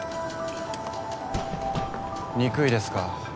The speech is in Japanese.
憎いですか？